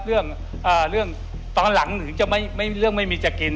เรื่องตอนหลังถึงจะเรื่องไม่มีจะกิน